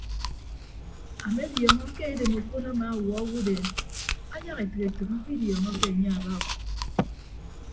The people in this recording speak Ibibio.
Amediọñọ ke edem okpon ama awuọ owodeen ayak etәk etәk mkpịdiọñọke anye aba o.